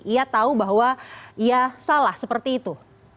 ia tahu bahwa ia salah seperti itu